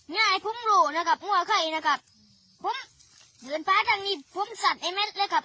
ง่ายผมหรูนะครับง่วงไข่นะครับผมเหมือนพระจังหิตผมสัตว์ไอ้เม็ดเลยครับ